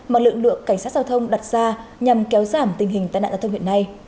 mà lực lượng cảnh sát giao thông đặt ra nhằm kéo giảm tình hình tai nạn giao thông hiện nay